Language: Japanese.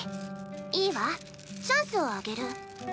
いいわチャンスをあげる。